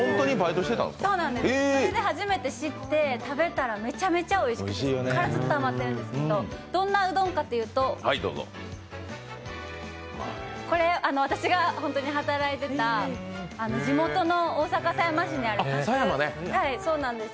それで初めて知って食べたらめちゃめちゃおいしくてそこからずっとハマってるんですけど、どんなうどんかというとこれ、私が本当に働いていた地元の大阪の狭山にある。